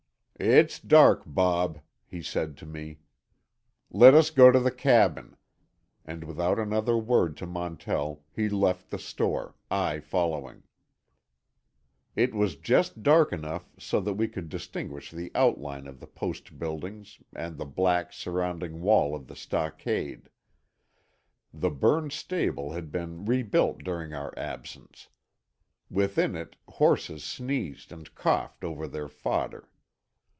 "It's dark, Bob," he said to me. "Let us go to the cabin." And without another word to Montell he left the store, I following. It was just dark enough so that we could distinguish the outline of the post buildings, and the black, surrounding wall of the stockade. The burned stable had been rebuilt during our absence. Within it horses sneezed and coughed over their fodder.